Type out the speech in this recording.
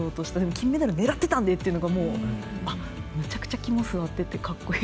金メダルを狙ってたんでっていうのがむちゃくちゃきも据わっててかっこいい。